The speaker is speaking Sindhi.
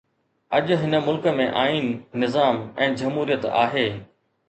اڄ هن ملڪ ۾ آئين، نظام ۽ جمهوريت آهي.